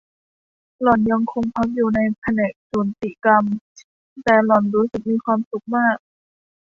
หล่อนยังคงพักอยู่ในแผนกสูติกรรม แต่หล่อนรู้สึกมีความสุขมาก